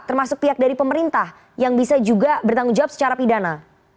termasuk pihak dari pemerintah yang bisa juga bertanggung jawab secara pidana